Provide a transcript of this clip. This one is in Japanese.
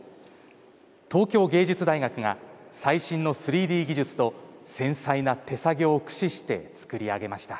東京藝術大学が最新の３Ｄ技術と繊細な手作業を駆使して作り上げました。